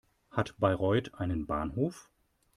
Hat Bayreuth einen Bahnhof?